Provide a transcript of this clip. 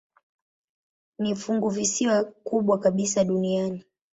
Ni funguvisiwa kubwa kabisa duniani.